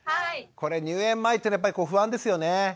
これ入園前っていうのはやっぱり不安ですよね？